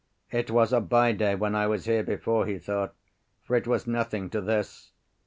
"It was a by day when I was here before," he thought, "for it was nothing to this."